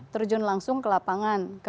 terjun langsung ke lapangan